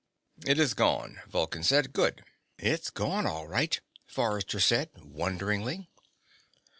"It is gone," Vulcan said. "Good." "It's gone, all right," Forrester said wonderingly.